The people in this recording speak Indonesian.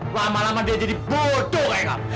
lama lama dia jadi bodoh kayak kamu